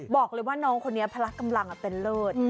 บอกเลยว่าน้องคนนี้พลักกำลังเป็นเลิศ